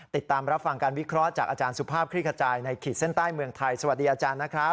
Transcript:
ติดตามรับฟังการวิเคราะห์จากอาจารย์สุภาพคลิกขจายในขีดเส้นใต้เมืองไทยสวัสดีอาจารย์นะครับ